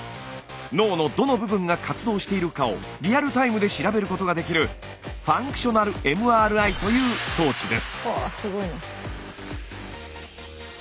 脳のどの部分が活動しているかをリアルタイムで調べることができるファンクショナルＭＲＩという装置です。